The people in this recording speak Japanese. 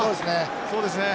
そうですね。